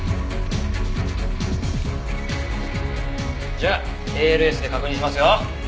じゃあＡＬＳで確認しますよ。